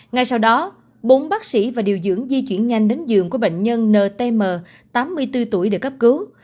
ngay sau đó bốn bác sĩ và điều dưỡng di chuyển nhanh đến giường của bệnh nhân ntm tám mươi bốn tuổi để cấp cứu